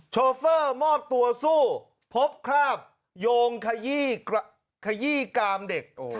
โชเฟอร์มอบตัวสู้พบคราบโยงขยี้กามเด็ก